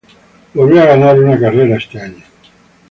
Volvió a ganar una carrera este año.